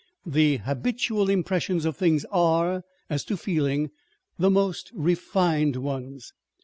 The habitual impressions of things are, as to feeling, the most refined ones.